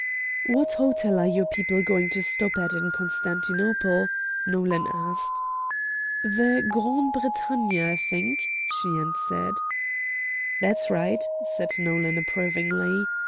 "What hotel are your people going to stop at in Constantinople?" Nolan asked. "The Grande Bretagne, I think," she answered. "That's right," said Nolan, approvingly.